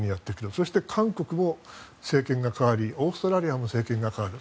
そして韓国も政権が変わりオーストラリアも政権が変わる。